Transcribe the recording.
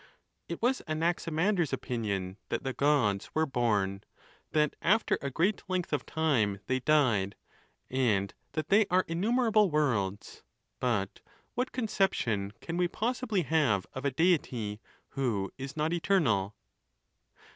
It was Anaximander's opinion that the Gods were born; that after a great length of time they died; and that they are innumerable worlds. But what conception can we possibly have of a Deity who is not eternal